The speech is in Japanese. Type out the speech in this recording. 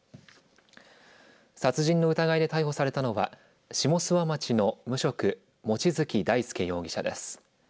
殺人の疑いで逮捕されたのは下諏訪町の無職望月大輔容疑者です。